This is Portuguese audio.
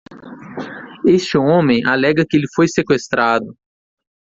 Este homem alega que ele foi seqüestrado.